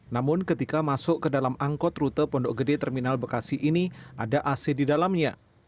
namun ketika masuk ke dalam angkot rute pondok gede terminal bekasi ini ada ac di dalamnya